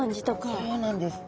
そうなんです。